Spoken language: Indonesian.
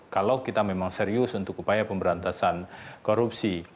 kalau kita memang serius untuk upaya pemberantasan korupsi